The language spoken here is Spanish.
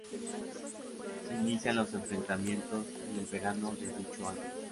Se inician los enfrentamientos en el verano de dicho año.